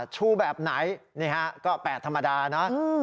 ชูแบบไหนนี่ฮะก็๘ธรรมดานะ